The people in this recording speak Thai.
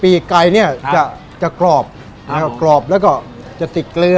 ปีกไก่เนี่ยจะกรอบแล้วก็จะติดเกลือ